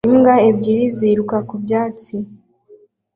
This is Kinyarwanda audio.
Imbwa ebyiri ziruka ku byatsi